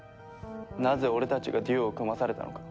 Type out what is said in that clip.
なぜ俺たちがデュオを組まされたのか。